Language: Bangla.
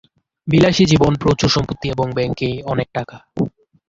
বিলাসী জীবন, প্রচুর সম্পত্তি এবং ব্যাংকে অনেক টাকা।